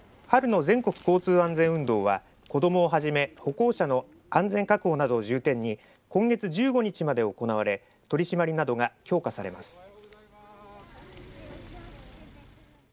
春の全国交通安全運動は子どもをはじめ歩行者の安全確保などを重点に今月１５日まで行われ取締りなどが強化されます。